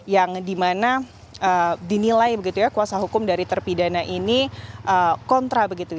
yang dimana dinilai kuasa hukum dari terpidana ini kontra